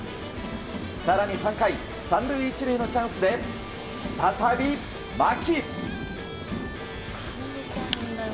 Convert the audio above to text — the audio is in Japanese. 更に３回、３塁１塁のチャンスで再び、牧。